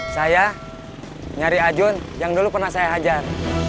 saya nyari ajun yang dulu pernah saya hajar